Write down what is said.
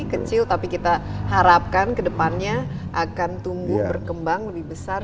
kecil tapi kita harapkan kedepannya akan tumbuh berkembang lebih besar